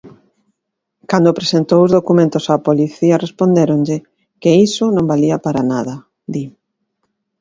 Cando presentou os documentos á policía respondéronlle que "iso non valía para nada", di.